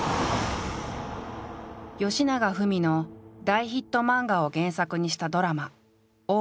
よしながふみの大ヒット漫画を原作にしたドラマ「大奥」。